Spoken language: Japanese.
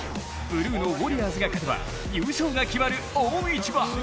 ブルーのウォリアーズが勝てば優勝が決まる大一番。